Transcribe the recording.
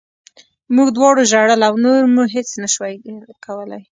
موږ دواړو ژړل او نور مو هېڅ نه شول کولی